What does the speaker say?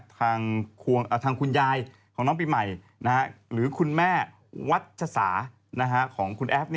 ทางคุณยายของน้องปีใหม่หรือคุณแม่วัชสาของคุณแอฟ